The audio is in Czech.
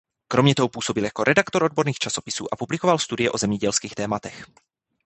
Kromě toho působil jako redaktor odborných časopisů a publikoval studie o zemědělských tématech.